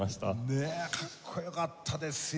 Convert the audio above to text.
ねえかっこよかったですよ。